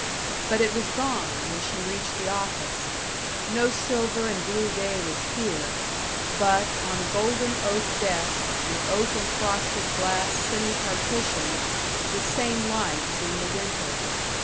But it was gone when she reached the office no silver and blue day was here; but, on golden oak desk and oak and frosted glass semi partitions, the same light as in the winter.